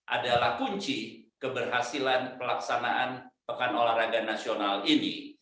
adalah kunci keberhasilan pelaksanaan pekan olahraga nasional ini